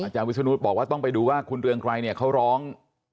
อาจารย์วิชนูธบอกว่าต้องไปดูว่าคุณเรืองไกลเขาร้อง